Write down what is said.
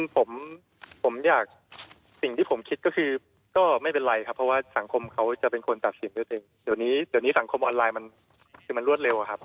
ผมอยากสิ่งที่ผมคิดก็คือก็ไม่เป็นไรครับ